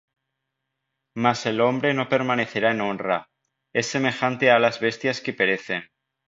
Mas el hombre no permanecerá en honra: Es semejante á las bestias que perecen.